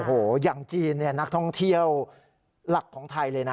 โอ้โหอย่างจีนนักท่องเที่ยวหลักของไทยเลยนะ